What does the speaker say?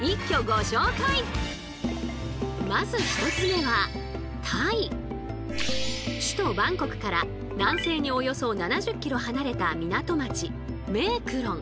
まず１つ目は首都バンコクから南西におよそ７０ｋｍ離れた港町メークロン。